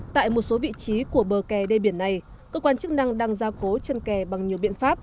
tại một số vị trí của bờ kè đê biển này cơ quan chức năng đang gia cố chân kè bằng nhiều biện pháp